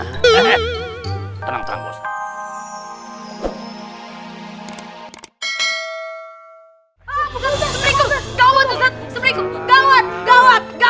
hai tenang tenang bos